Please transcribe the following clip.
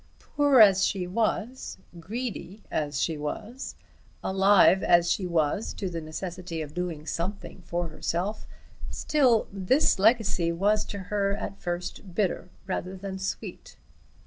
Poor as she was, greedy as she was, alive as she was to the necessity of doing something for herself, still this legacy was to her at first bitter rather than sweet.